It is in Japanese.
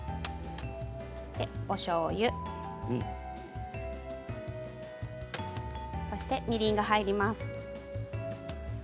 おしょうゆそしてみりんが入ります。